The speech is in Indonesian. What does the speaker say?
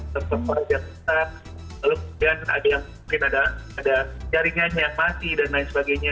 server server yang rusak lalu kemudian ada yang mungkin ada jaringannya yang mati dan lain sebagainya